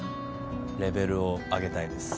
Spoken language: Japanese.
レベルを上げたいです。